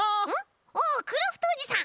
おおクラフトおじさん。